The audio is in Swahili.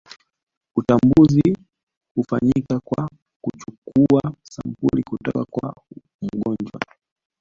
Utambuzi hufanyika kwa kuchukua sampuli kutoka kwa mgonjwa